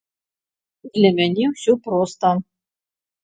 Для мяне ўсё проста.